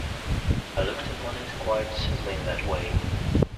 I looked upon it quite simply in that way.